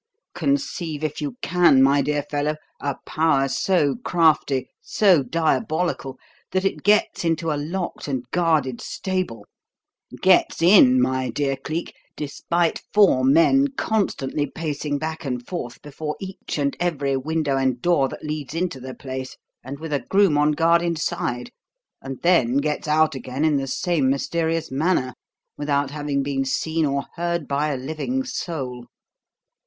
Conceive if you can, my dear fellow, a power so crafty, so diabolical, that it gets into a locked and guarded stable, gets in, my dear Cleek, despite four men constantly pacing back and forth before each and every window and door that leads into the place and with a groom on guard inside, and then gets out again in the same mysterious manner without having been seen or heard by a living soul.